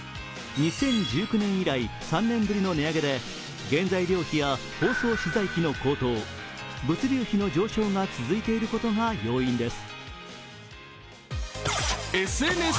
２０１９年以来、３年ぶりの値上げで原材料費や包装資材費の高騰物流費の上昇が続いていることが要因です。